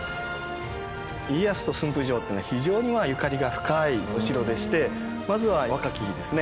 家康と駿府城というのは非常にゆかりが深いお城でしてまずは若き日ですね